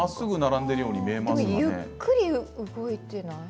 でもゆっくり動いていない？